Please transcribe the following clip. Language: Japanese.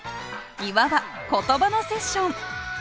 いわば言葉のセッション。